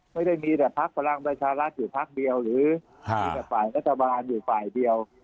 ไม่ได้มีแต่ภาคพลังประชารักษณ์อยู่ภาคเดียวหรือภาคนัฐบาลอยู่ภาคเดียว